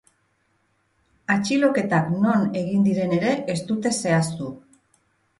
Atxiloketak non egin diren ere ez dute zehaztu.